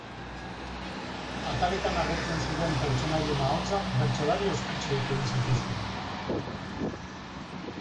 Ataletan agertzen ziren pertsonaien ahotsak bertsolari ospetsuek egin zituzten.